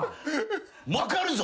分かるぞ！